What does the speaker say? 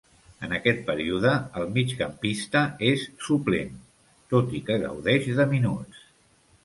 En aquest període, el migcampista és suplent, tot i que gaudeix de minuts.